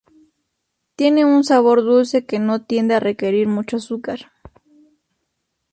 Tiene un sabor dulce que no tiende a requerir mucho azúcar.